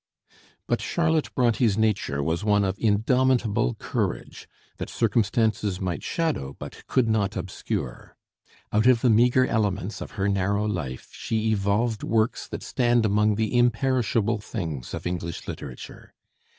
But Charlotte Bronté's nature was one of indomitable courage, that circumstances might shadow but could not obscure. Out of the meagre elements of her narrow life she evolved works that stand among the imperishable things of English literature.